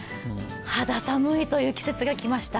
肌寒いという季節が来ました。